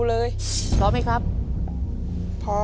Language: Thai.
ตัวเลือกที่๔ขึ้น๘ค่ำเดือน๗